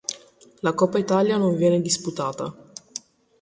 La Coppa Italia non viene disputata.